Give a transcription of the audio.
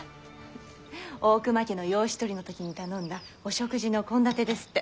大隈家の養子取りの時に頼んだお食事の献立ですって。